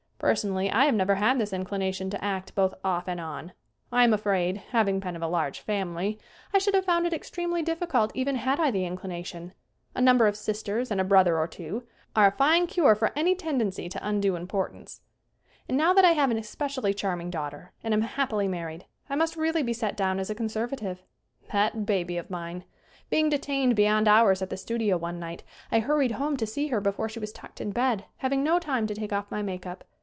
Personally I have never had this inclination to act both "off and on." I am afraid, having been of a large family, I should have found it extremely difficult even had I the inclination. A number of sisters, and a brother or two, are a fine cure for any tendency to undue im portance. And now that I have an especially charm ing daughter, and am happily married, I must really be set down as a conservative. That baby of mine! Being detained beyond hours at the studio one night I hurried home to see her before she was tucked in bed, having no time to take off my make up.